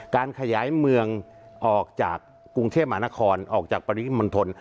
การขยายเมืองออกจากกรุงเทพมหานครออกจากปริมณฑล